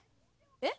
えっ？